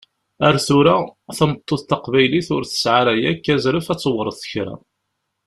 Ar tura, tameṭṭut taqbaylit ur tesɛi ara yakk azref ad tewṛet kra!